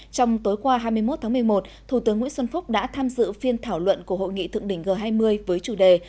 trong tối qua hai mươi một tháng một mươi một thủ tướng nguyễn xuân phúc đã tham dự phiên thảo luận của hội nghị thượng đỉnh g hai mươi với chủ đề